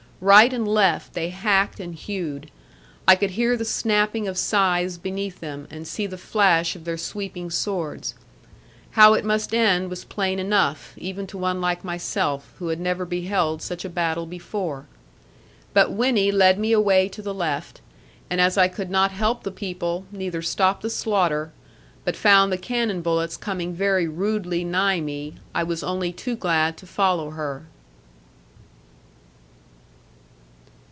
Right and left they hacked and hewed; I could hear the snapping of scythes beneath them, and see the flash of their sweeping swords. How it must end was plain enough, even to one like myself, who had never beheld such a battle before. But Winnie led me away to the left; and as I could not help the people, neither stop the slaughter, but found the cannon bullets coming very rudely nigh me, I was only too glad to follow her.